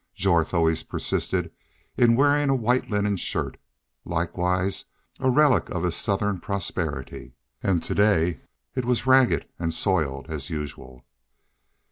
Jorth always persisted in wearing a white linen shirt, likewise a relic of his Southern prosperity, and to day it was ragged and soiled as usual.